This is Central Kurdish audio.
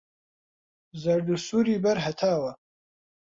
زەرد و سووری بەر هەتاوە